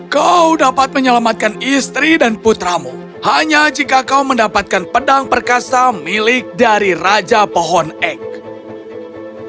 kau dapat menyelamatkan istri dan putramu hanya jika kau mendapatkan pedang perkasa milik dari raja pohon ek